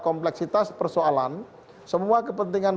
kompleksitas persoalan semua kepentingan